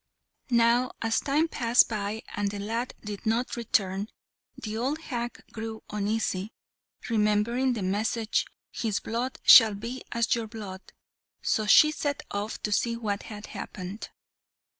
Now as time passed by and the lad did not return, the old hag grew uneasy, remembering the message "his blood shall be as your blood"; so she set off to see what had happened.